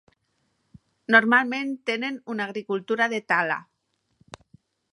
Normalment tenen una agricultura de tala.